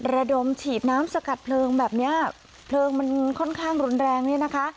ระดมฉีดน้ำสกัดเพลิงแบบเนี้ยเพลิงมันค่อนข้างรุนแรงเนี่ยนะคะ